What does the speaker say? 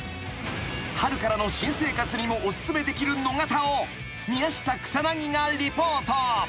［春からの新生活にもお薦めできる野方を宮下草薙がリポート］